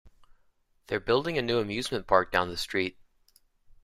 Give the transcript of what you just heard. They're building a new amusement park down the street.